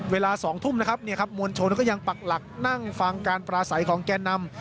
เวลา๒ทุ่มนะครับเนี่ยครับมวลชนก็ยังปักหลักนั่งฟังการปราศัยของแก่นำ